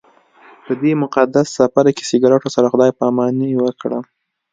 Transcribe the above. په دې مقدس سفر کې سګرټو سره خدای پاماني وکړم.